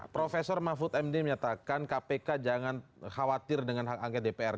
prof mahfud md menyatakan kpk jangan khawatir dengan hak angket dpr